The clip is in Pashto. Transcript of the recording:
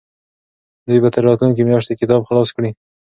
دوی به تر راتلونکې میاشتې کتاب خلاص کړي.